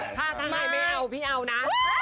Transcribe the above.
ถ้าไห้ไม่เอาพี่เอานะ